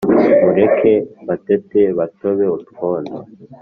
Mureke batete batobe utwondo